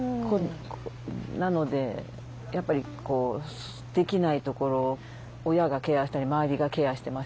なのでやっぱりできないところを親がケアしたり周りがケアしてますよね。